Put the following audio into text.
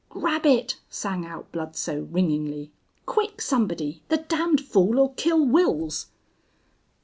"Grab it!" sang out Bludsoe, ringingly. "Quick, somebody! The damned fool'll kill Wils."